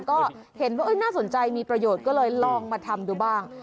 ก็เห็นว่าน่าสนใจมีประโยชน์ก็เลยลองมาทำดูบ้าง